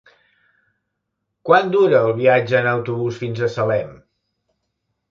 Quant dura el viatge en autobús fins a Salem?